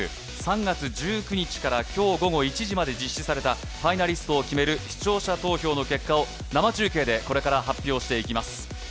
３月１９日から今日午後１時まで実施されたファイナリストを決める視聴者投票の結果を生中継でこれから発表していきます。